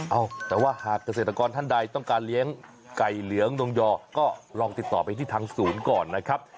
เอ้าแต่ว่าหากเกษตรกรท่านใดต้องการเลี้ยงไก่เหลืองนงยอก็ลองติดต่อไปที่ทางศูนย์ก่อนนะครับ